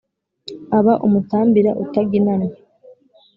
Aba umutambira utaginanwa.